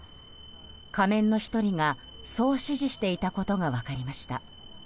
仮面の１人がそう指示していたことが分かりました。